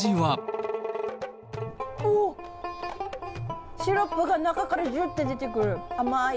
おお、シロップが中からじゅっと出てくる、甘ーい。